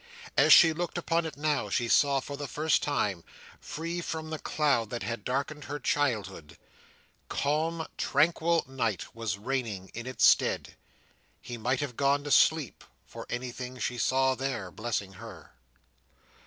As she looked upon it now, she saw it, for the first time, free from the cloud that had darkened her childhood. Calm, tranquil night was reigning in its stead. He might have gone to sleep, for anything she saw there, blessing her.